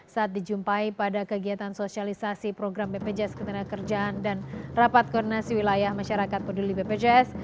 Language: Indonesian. saat dijumpai pada kegiatan sosialisasi program bpjs ketenagakerjaan dan rapat koordinasi wilayah masyarakat peduli bpjs